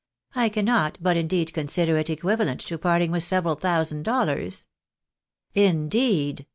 I can not but indeed consider it ecLuivalent to parting with several thou sand dollars." "Indeed!"